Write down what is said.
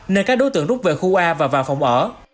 nơi các đối tượng rút về khu a và vào phòng ở